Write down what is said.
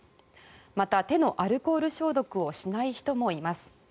また、手のアルコール消毒をしない人もいます。